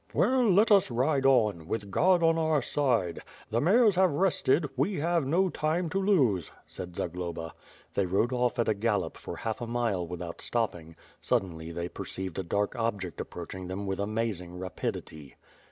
"Well, let us ride on, with God on our side! The mares have rested. We have no time to lose," said Zagloba. They rode off at a gallop for half a mile without stopping — sud denly they perceived a dark object approaching them with amazing rapidity.